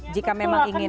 jika memang ingin